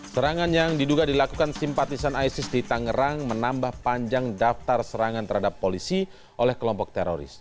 serangan yang diduga dilakukan simpatisan isis di tangerang menambah panjang daftar serangan terhadap polisi oleh kelompok teroris